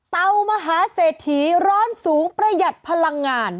เตามหาเสถียร์ร้อนสูงประหยัดพลังงาน